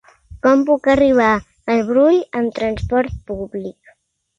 Com puc arribar al Brull amb trasport públic?